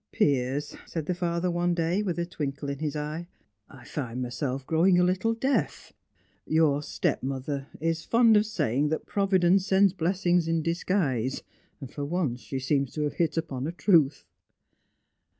"Piers," said the father one day, with a twinkle in his eye, "I find myself growing a little deaf. Your stepmother is fond of saying that Providence sends blessings in disguise, and for once she seems to have hit upon a truth."